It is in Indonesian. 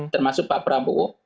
termasuk pak prabowo